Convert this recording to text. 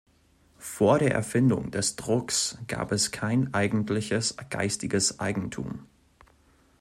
Vor der Erfindung des Drucks gab es kein eigentliches geistiges Eigentum.